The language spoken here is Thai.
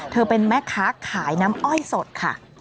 เป็นแม่ค้าขายน้ำอ้อยสดค่ะ